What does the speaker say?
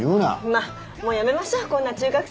まあもうやめましょうこんな中学生みたいな会話。